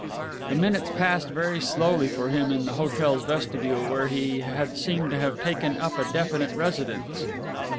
The minutes passed very slowly for him in the hotel's vestibule, where he had seemed to have taken up a definite residence.